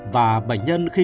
và bệnh nhân khi tới